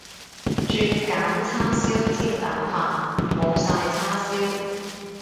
轉揀叉燒煎蛋飯，冇晒叉燒